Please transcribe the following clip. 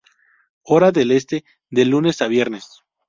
Hora del este de lunes a viernes.